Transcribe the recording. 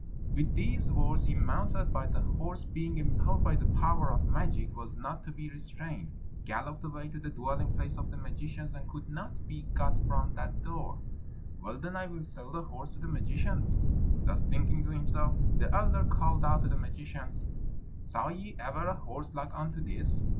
With these words he mounted, but the horse being impelled by the power of magic was not to be restrained, galloped away to the dwelling place of the magicians, and could not be got from the door. "Well, then, I will sell the horse to the magicians." Thus thinking to himself, the elder called out to the magicians, "Saw ye ever a horse like unto this?